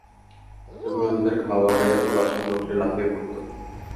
এগুলো তাদের খাবারে ও বাসনপত্রে লাফিয়ে পড়ত।